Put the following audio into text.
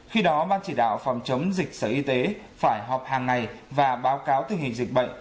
khi đó ban chỉ đạo phòng chống dịch sở y tế phải họp hàng ngày và báo cáo tình hình dịch bệnh